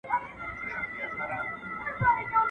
تر مازي ولاړي، په خرپ نړېدلې ښه ده.